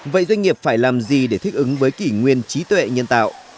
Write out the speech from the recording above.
vậy doanh nghiệp phải làm gì để thích ứng với kỷ nguyên trí tuệ nhân tạo